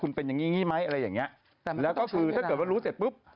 คุณเป็นอย่างงี้อย่างงี้ไหมอะไรอย่างเงี้ยแล้วก็คือถ้าเกิดว่ารู้เสร็จปุ๊บ